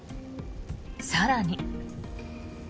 更に。